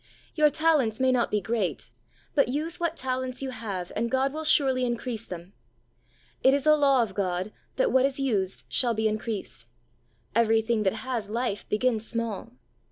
Your talents may not be great, but use what talents you have and God will surely increase them. It is a law of God, that what is used shall be increased. Everything that has life begins small.